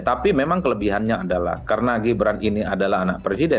tapi memang kelebihannya adalah karena gibran ini adalah anak presiden